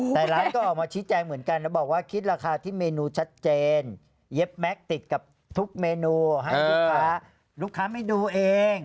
แต่ร้านก็ออกมาชี้แจงเหมือนกันนะบอกว่าคิดราคาที่เมนูชัดเจนเย็บแม็กซ์ติดกับทุกเมนูให้ลูกค้าลูกค้าไม่ดูเอง